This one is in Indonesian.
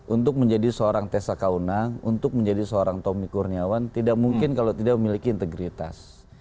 untuk menjadi seorang tessa kaunang untuk menjadi seorang tommy kurniawan tidak mungkin kalau tidak memiliki integritas